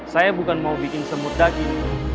saya bukan mau bikin semut daging